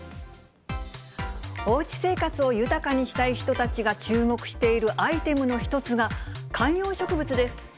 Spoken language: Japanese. おうち生活を豊かにしたい人たちが注目しているアイテムの一つが、観葉植物です。